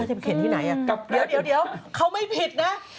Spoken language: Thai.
แล้วเขาจะเขียนที่ไหนอ่ะเดี๋ยวเดี๋ยวเขาไม่ผิดนะ